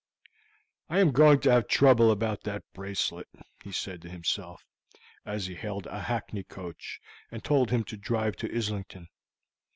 "I am going to have trouble about that bracelet," he said to himself, as he hailed a hackney coach and told him to drive to Islington.